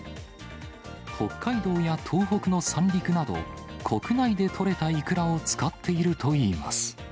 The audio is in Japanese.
北海道や東北の三陸など、国内で取れたイクラを使っているといいます。